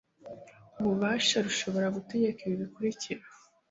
ububasha rushobora gutegeka ibi bikurikira